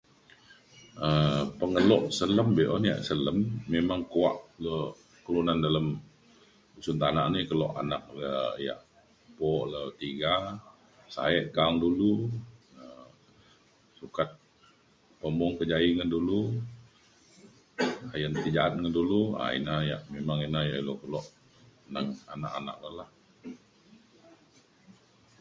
um pengelo selem be'un ia' selem memang kuak le kelunan dalem usun tana ni kelo anak le ia' bo le tiga sa'e ka'ang dulu um sukat pemung kejaie ngan dulu ayen ti ja'at ngan dulu um ina ia' memang ina ia' ilu kelo neng anak anak lu lah